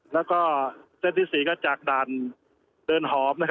แล้วก็เส้นที่๔ก็จากด่านเดินหอม